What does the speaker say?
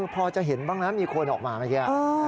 พอจะเห็นบ้างนะมีคนออกมาเมื่อกี้